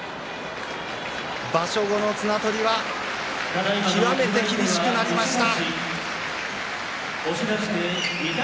場所後の綱取りは極めて厳しくなりました。